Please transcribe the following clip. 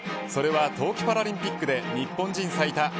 それは冬季パラリンピックで日本人最多